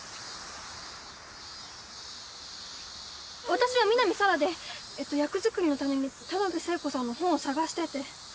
私は南沙良で役作りのために田辺聖子さんの本を探してて。